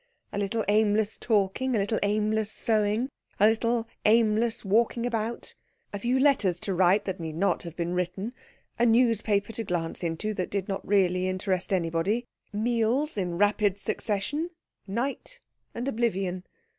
A little aimless talking, a little aimless sewing, a little aimless walking about, a few letters to write that need not have been written, a newspaper to glance into that did not really interest anybody, meals in rapid succession, night, and oblivion.